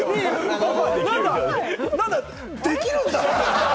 なんだ、できるんだ。